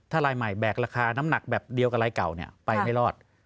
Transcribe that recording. ถ้ารายใหม่แบกราคาน้ำหนักแบบเดียวกับรายเก่าไปไม่รอด